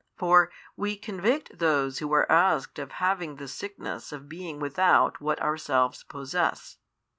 For we convict those who are asked of having the sickness of being without what ourselves possess.